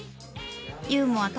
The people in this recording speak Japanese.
ユーモア